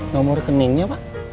nomor keningnya pak